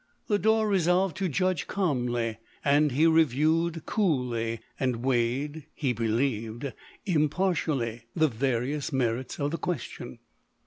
Lodore resolved to judge calmly, and he reviewed coolly, and weighed (he believed) impartially, the various merits of the question.